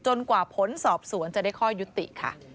กว่าผลสอบสวนจะได้ข้อยุติค่ะ